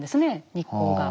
日光が。